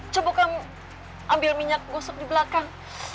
coba kamu ambil minyak gosok di belakang